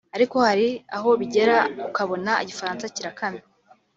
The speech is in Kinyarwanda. ariko hari aho bigera ukabona igifaransa kirakamye